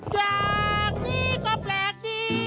อย่างนี้ก็แปลกดี